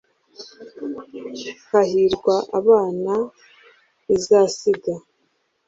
hahirwa abana izasiga